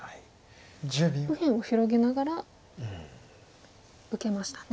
右辺を広げながら受けましたね。